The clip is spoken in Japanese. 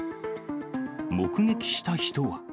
目撃した人は。